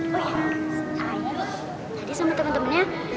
tadi sama temen temennya